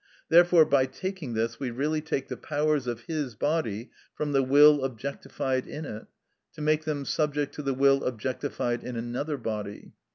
Therefore by taking this we really take the powers of his body from the will objectified in it, to make them subject to the will objectified in another body.